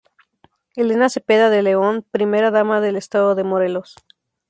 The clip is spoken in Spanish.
Elena Cepeda De León, Primera Dama del Estado de Morelos.